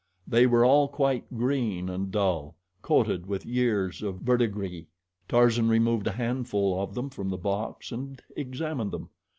They were all quite green and dull, coated with years of verdigris. Tarzan removed a handful of them from the box and examined them.